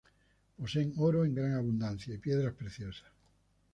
Poseen oro en gran abundancia y piedras preciosas.